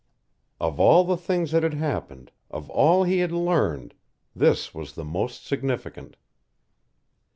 Of all the things that had happened, of all he had learned, this was the most significant.